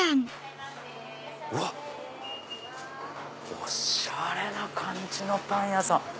おしゃれな感じのパン屋さん！